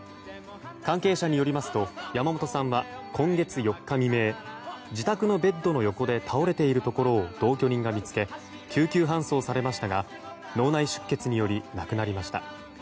関係者によりますと山本さんは今月４日未明自宅のベッドの横で倒れているところを同居人が見つけ救急搬送されましたが脳内出血により亡くなりました。